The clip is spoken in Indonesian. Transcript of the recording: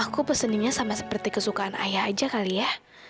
aku peseninnya sama seperti kesukaan ayah aja kali ya